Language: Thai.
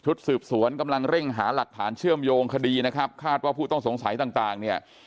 สืบสวนกำลังเร่งหาหลักฐานเชื่อมโยงคดีนะครับคาดว่าผู้ต้องสงสัยต่างต่างเนี่ย